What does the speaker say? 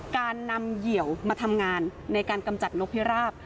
การนำเหยี่ยวมาทำงานในการกำจัดนกพิราบ